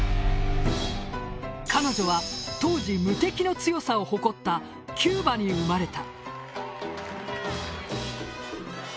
彼女は当時無敵の強さを誇ったキューバに生まれた。